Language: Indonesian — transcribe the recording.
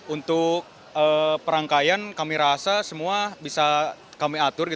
untuk perangkaian kami rasa semua bisa kami atur